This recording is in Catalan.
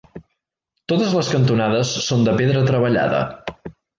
Totes les cantonades són de pedra treballada.